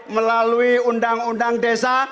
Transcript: melalui undang undang desa